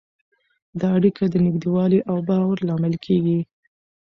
دا اړیکه د نږدېوالي او باور لامل کېږي.